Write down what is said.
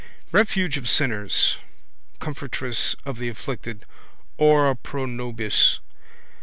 Refuge of sinners. Comfortress of the afflicted. Ora pro nobis.